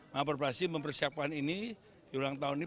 nah perbasi mempersiapkan ini di ulang tahun ini